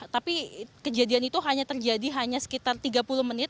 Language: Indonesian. tapi kejadian itu hanya terjadi hanya sekitar tiga puluh menit